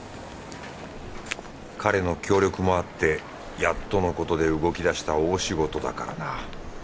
彼の協力もあってやっとのことで動き出した大仕事だからな。